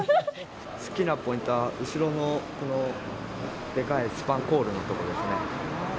好きなポイントは、後ろのこのでかいスパンコールのとこですね。